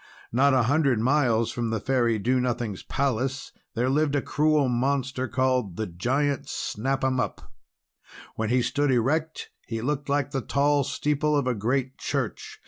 Not a hundred miles from the Fairy Do Nothing's palace, there lived a cruel monster called the Giant Snap 'Em Up. When he stood erect, he looked like the tall steeple of a great church.